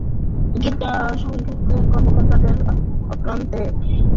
গীতা সংঘের কর্মকর্তাদের অক্লান্ত প্রয়াসে প্রবাসী হিন্দুদের প্রাণের আয়োজন বনভোজনের সফল সমাপ্তি ঘটে।